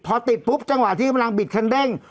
พอติดปุ๊บจังหวะที่กำลังบิดคันเด้ง